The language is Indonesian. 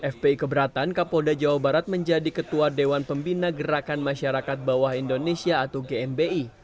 fpi keberatan kapolda jawa barat menjadi ketua dewan pembina gerakan masyarakat bawah indonesia atau gmi